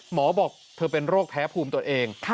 บอกเธอเป็นโรคแพ้ภูมิตัวเอง